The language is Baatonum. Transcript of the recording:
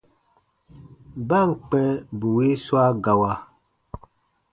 Ba ǹ kpɛ̃ bù wii swa gawa,